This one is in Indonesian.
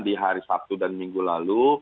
di hari sabtu dan minggu lalu